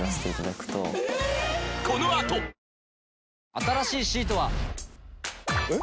新しいシートは。えっ？